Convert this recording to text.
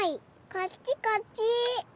こっちこっち。